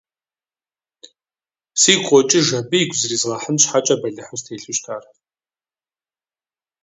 Сигу къокӀыж абы игу зризгъэхьын щхьэкӀэ бэлыхьу стелъу щытар.